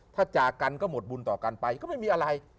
ถ้าจากกันก็หมดบุญต่อกันไปก็ไม่มีอะไร